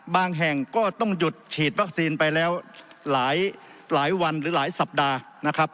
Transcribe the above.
แห่งก็ต้องหยุดฉีดวัคซีนไปแล้วหลายวันหรือหลายสัปดาห์นะครับ